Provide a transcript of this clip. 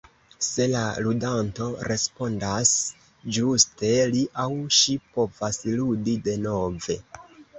Se la ludanto respondas ĝuste, li aŭ ŝi povas ludi denove.